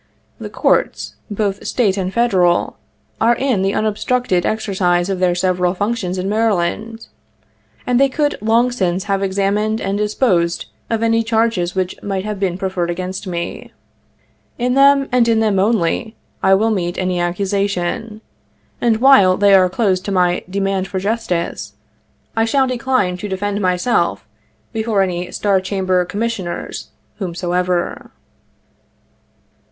The courts, both State and Federal, are in the unobstructed exercise of their several functions in Maryland ; and they could long since have examined and disposed of any charge which might have been preferred against me. In them, and in them only, will I meet any accusation ; and, while they are closed to my demand for justice, I shall decline to defend myself before any Star Chamber commissioners whomsoever.